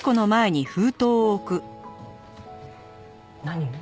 何？